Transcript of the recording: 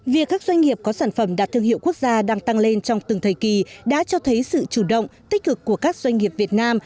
việc các doanh nghiệp có sản phẩm đạt thương hiệu quốc gia đang tăng lên trong từng thời kỳ đã cho thấy sự chủ động tích cực của các doanh nghiệp việt nam